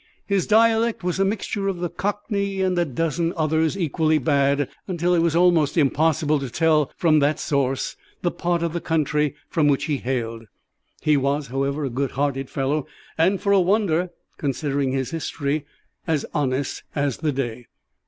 His dialect was a mixture of the Cockney and a dozen others equally bad, until it was almost impossible to tell from that source the part of the country from which he hailed. He was, however, a good hearted fellow, and for a wonder, considering his history, as honest as the day.